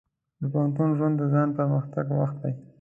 د پوهنتون ژوند د ځان پرمختګ وخت دی.